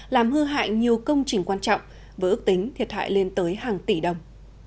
làm hư hại nhiều công trình quan trọng với ước tính thiệt hại lên tới hàng tỷ đồng